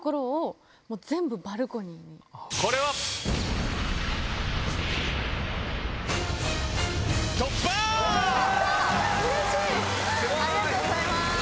うれしいありがとうございます。